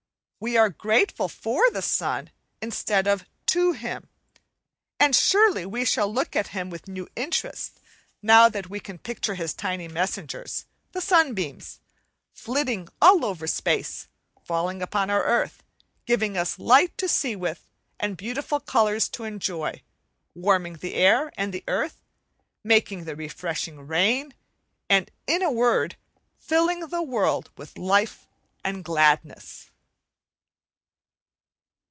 We are grateful for the sun instead of to him, and surely we shall look at him with new interest, now that we can picture his tiny messengers, the sunbeams, flitting over all space, falling upon our earth, giving us light to see with, and beautiful colours to enjoy, warming the air and the earth, making the refreshing rain, and, in a word, filling the world with life and gladness.